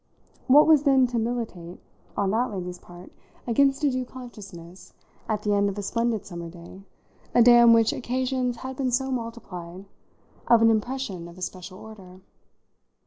What was then to militate, on that lady's part, against a due consciousness, at the end of a splendid summer day, a day on which occasions had been so multiplied, of an impression of a special order?